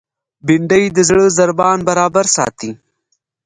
بېنډۍ د زړه ضربان برابر ساتي